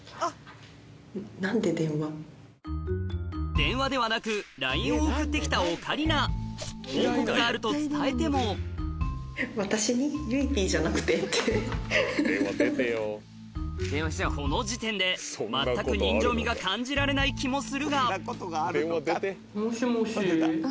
電話ではなくＬＩＮＥを送って来たオカリナ報告があると伝えてもこの時点で全く人情味が感じられない気もするがもしもし。